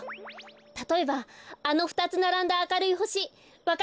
たとえばあのふたつならんだあかるいほしわかりますか？